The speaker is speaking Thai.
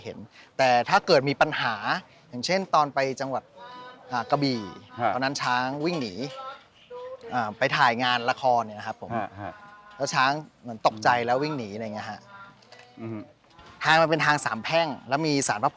เป็นผู้หญิงใช่ครับครูปรกรรมมีผู้หญิงทั้งสองสองสองท่านครับ